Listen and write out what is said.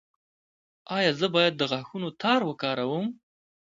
ایا زه باید د غاښونو تار وکاروم؟